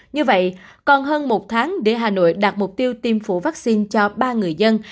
như vậy còn hơn một tháng để hà nội đạt mục tiêu tiêm phủ vaccine cho ba người dân